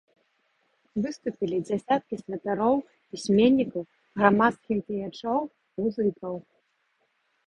Выступілі дзясяткі святароў, пісьменнікаў, грамадскіх дзеячоў, музыкаў.